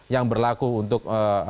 yang berlaku untuk